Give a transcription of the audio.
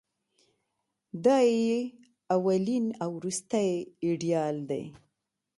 دای یې اولین او وروستۍ ایډیال دی.